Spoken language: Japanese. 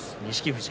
富士